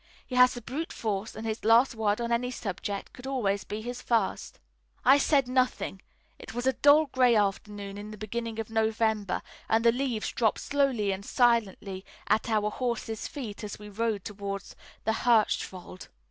He has the brute force, and his last word on any subject could always be his fist." I said nothing. It was a dull, gray afternoon in the beginning of November, and the leaves dropped slowly and silently at our horses' feet as we rode towards the Hirschwald.